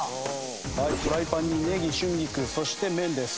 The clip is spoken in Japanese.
フライパンにネギ春菊そして麺です。